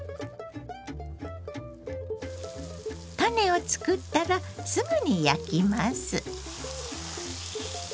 タネを作ったらすぐに焼きます。